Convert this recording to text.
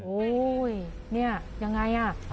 โอ้ยเนี่ยยังไงอ่ะ